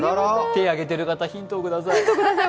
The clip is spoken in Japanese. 手を挙げてる方、ヒントをください。